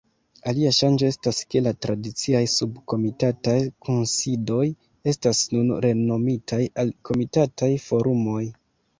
Alia ŝanĝo estas ke la tradiciaj subkomitataj kunsidoj estas nun renomitaj al komitataj forumoj.